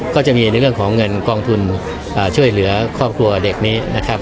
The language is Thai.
ก็จะมีในเรื่องของเงินกองทุนช่วยเหลือครอบครัวเด็กนี้นะครับ